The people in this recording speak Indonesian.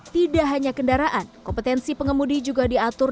tidak hanya kendaraan kompetensi pengemudi juga diatur